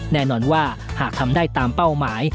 แน่นอนว่าหากทำได้ตามเป้าหมาย